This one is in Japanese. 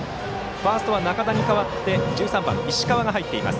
ファーストは仲田に代わって１３番、石川が入っています。